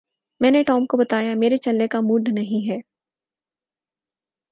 میں نے ٹام کو بتایا میرا چلنے کا موڈ نہیں ہے